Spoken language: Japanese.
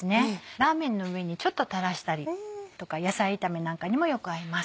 ラーメンの上にちょっと垂らしたりとか野菜炒めなんかにもよく合います。